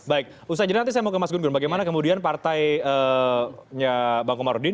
baik usahanya nanti saya mau ke mas gungun bagaimana kemudian partainya bang komarudin